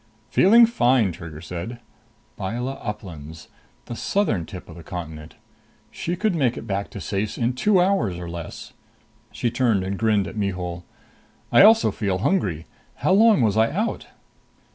"Feeling fine," Trigger said. Byla Uplands the southern tip of the continent. She could make it back to Ceyce in two hours or less! She turned and grinned at Mihul. "I also feel hungry. How long was I out?"